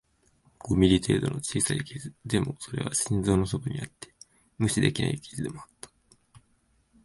五ミリ程度の小さい傷、でも、それは心臓のそばにあって無視できない傷でもあった